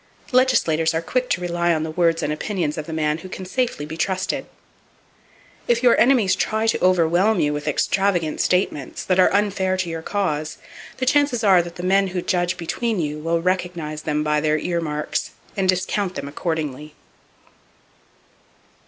Legislators are quick to rely on the words and opinions of the man who can safely be trusted. If your enemies try to overwhelm you with extravagant statements, that are unfair to your cause, the chances are that the men who judge between you will recognize them by their ear marks, and discount them accordingly.